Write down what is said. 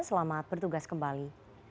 selamat bertugas kembali